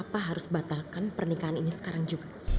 apa harus batalkan pernikahan ini sekarang juga